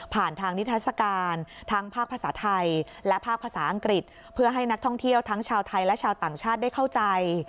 ทางนิทัศกาลทั้งภาคภาษาไทยและภาคภาษาอังกฤษเพื่อให้นักท่องเที่ยวทั้งชาวไทยและชาวต่างชาติได้เข้าใจ